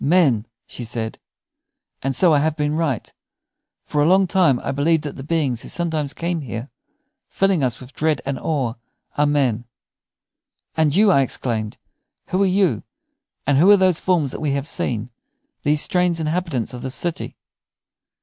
"Men!" she said. "And so I have been right. For a long time I have believed that the beings who sometimes come here, filling us with dread and awe, are men." "And you," I exclaimed "who are you, and who are these forms that we have seen, these strange inhabitants of this city?"